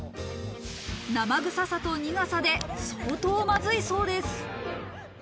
生臭さと苦さで相当まずいそうです。